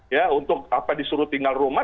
ya untuk apa disuruh tinggal rumah